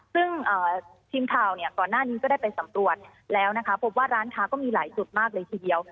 ซึ่งทีมข่าวเนี่ยก่อนหน้านี้ก็ได้ไปสำรวจแล้วนะคะพบว่าร้านค้าก็มีหลายจุดมากเลยทีเดียว